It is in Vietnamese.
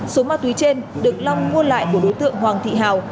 số ma túy trên được long mua lại của đối tượng hoàng thị hào